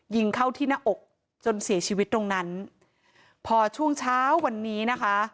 ยิงเข้าที่หน้าอกจนเสียชีวิตตรงนั้นพอช่วงเช้าวันนี้นะคะ